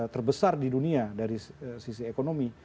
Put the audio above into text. terbesar di dunia dari sisi ekonomi